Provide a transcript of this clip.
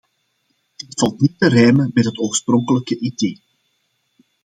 Dit valt niet te rijmen met het oorspronkelijke idee.